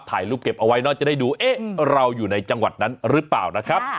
ถ่ายรูปเก็บเอาไว้เนอะจะได้ดูเอ๊ะเราอยู่ในจังหวัดนั้นหรือเปล่านะครับ